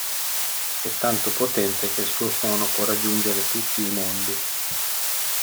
È tanto potente che il suo suono può raggiungere tutti i mondi.